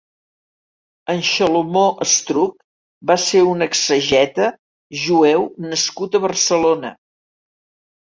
En Xelomó Astruc va ser un exègeta jueu nascut a Barcelona.